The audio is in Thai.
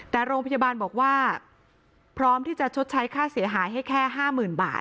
แต่โรงพยาบาลบอกว่าพร้อมที่จะชดใช้ค่าเสียหายให้แค่๕๐๐๐บาท